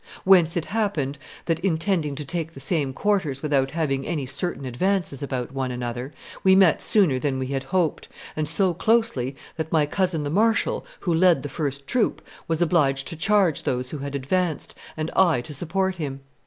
Whence it happened that, intending to take the same quarters without having any certain advices about one another, we met sooner than we had hoped, and so closely that my cousin the marshal, who led the first troop, was obliged to charge those who had advanced, and I to support him.